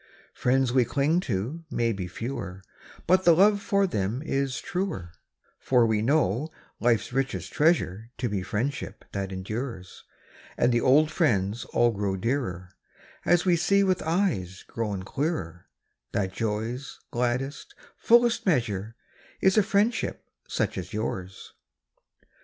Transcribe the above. Is a F riends xv)e clinq to mau be fe^Oer, But the loOe jor them is truer; fbr \Oe know life s richest treasure To be friendship that em dures, And the old jriends all qroxO dearer & As vOe see \oith eues qro\On clearer That joq's gladdest, fullest measure ' Is a friendship such as Ljours.